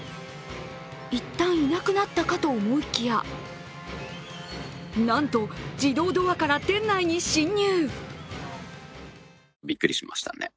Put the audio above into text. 一旦いなくなったかと思いきやなんと、自動ドアから店内に侵入。